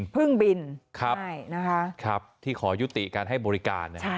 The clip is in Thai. พึ่งบินที่ขอยุติการให้บริการ